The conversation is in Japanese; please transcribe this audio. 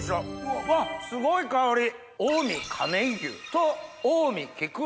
うわっすごい香り。